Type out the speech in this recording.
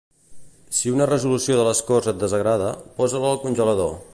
Si una resolució de les Corts et desagrada, posa-la al congelador.